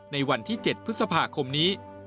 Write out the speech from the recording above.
ในวันที่๗พฤษภาคมนี้